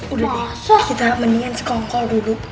udah deh kita mendingan sekongkol dulu